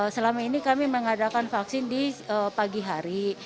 selama ini kami mengadakan vaksin di pagi hari